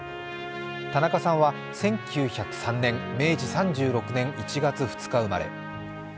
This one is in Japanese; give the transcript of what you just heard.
田中さんは１９０３年、明治３６年１月２日生まれ。